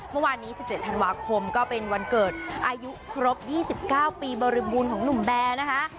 เมื่อวานนี้๑๗ธันวาคมก็เป็นวันเกิดอายุครบ๒๙ปีบริบูรณ์ของหนุ่มแบร์นะคะ